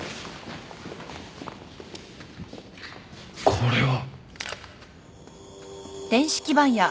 これは。